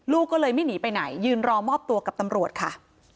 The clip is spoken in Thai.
ลูกก็เลยไม่หนีไปไหนยืนรอมอบตัวกับตำรวจค่ะ